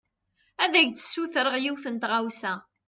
Ad ak-d-sutreɣ yiwen n tɣawsa.